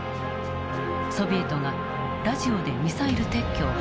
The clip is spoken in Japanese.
ソビエトがラジオでミサイル撤去を発表。